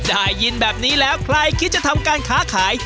ได้ยินแบบนี้แล้วใครคิดจะทำการค้าขาย